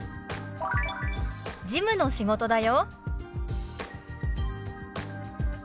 「事務の仕事だよ」。